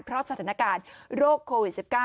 เพราะสถานการณ์โรคโควิด๑๙